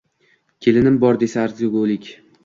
Kelinim bor, desa arzigulik.